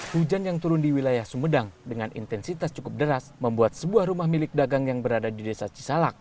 hujan yang turun di wilayah sumedang dengan intensitas cukup deras membuat sebuah rumah milik dagang yang berada di desa cisalak